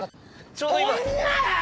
ちょうど今。